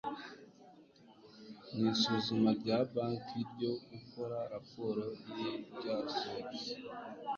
mu isuzuma rya banki ryo gukora raporo yibyasohotse